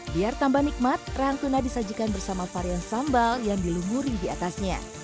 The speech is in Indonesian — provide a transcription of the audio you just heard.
biar tambah nikmat rahang tuna disajikan bersama varian sambal yang dilumuri di atasnya